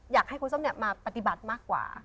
อยากให้คุณส้มมาปฏิบัติมากกว่า